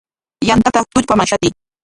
Yantata tullpaman shatiy.